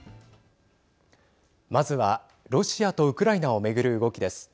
まずは、ロシアとウクライナを巡る動きです。